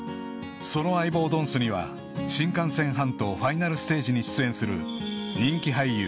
［その相棒ドンスには『新感染半島ファイナル・ステージ』に出演する］